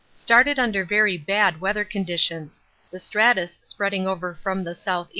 Started under very bad weather conditions. The stratus spreading over from the S.E.